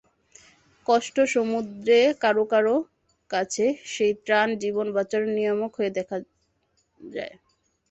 কষ্ট-সমুদ্রে কারও কারও কাছে সেই ত্রাণ জীবন বাঁচানোর নিয়ামক হয়ে দেখা দেয়।